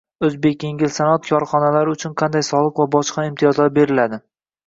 “O’zbekengilsanoat” korxonalari uchun qanday soliq va bojxona imtiyozlari beriladi?